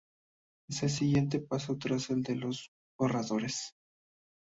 Es el siguiente paso tras el de los borradores.